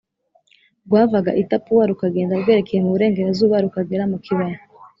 Rwavaga i Tapuwa rukagenda rwerekeye mu burengerazuba rukagera mu kibaya